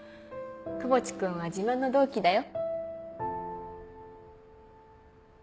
窪地君は自慢の同期だよ。